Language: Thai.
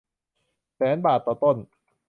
แสนบาทต่อต้น